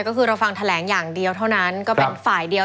ก็คือเราฟังแถลงอย่างเดียวเท่านั้นก็เป็นฝ่ายเดียว